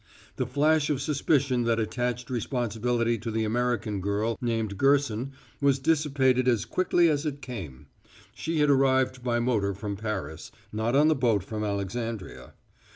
The flash of suspicion that attached responsibility to the American girl named Gerson was dissipated as quickly as it came; she had arrived by motor from Paris, not on the boat from Alexandria.